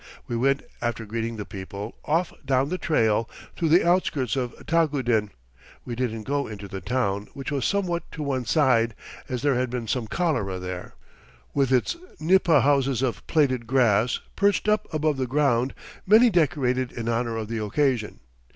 We went, after greeting the people, off down the trail, through the outskirts of Tagudin (we didn't go into the town, which was somewhat to one side, as there had been some cholera there), with its nipa houses of plaited grass, perched up above the ground, many decorated in honour of the occasion.